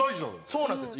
そうなんですよ。